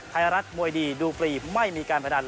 ไทยรัฐมวยดีดูฟรีไม่มีการพนัน